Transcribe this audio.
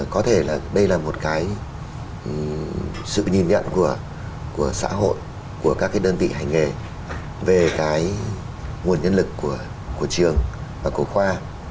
có thể là đây là một cái sự nhìn nhận của xã hội của các cái đơn vị hành nghề về cái nguồn nhân lực của trường và của khoa